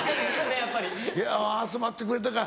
いや集まってくれたから。